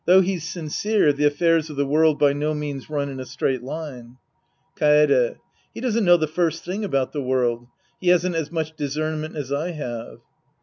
Though he's sincere, the affairs of the world by no means run in a straight line. Kaede. He doesn't know the first tiling about the world. He hasn't as much discernment as I have.